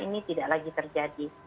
ini tidak lagi terjadi